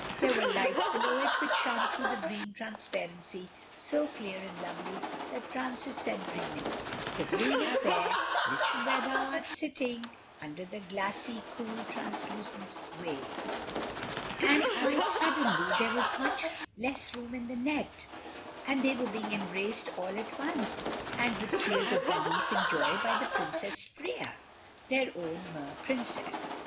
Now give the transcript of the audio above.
There were lights below it which shone through the green transparency so clear and lovely that Francis said dreamily— "'Sabrina fair, Listen where thou art sitting, Under the glassie, cool, translucent wave,'" and quite suddenly there was much less room in the net, and they were being embraced all at once and with tears of relief and joy by the Princess Freia—their own Mer Princess.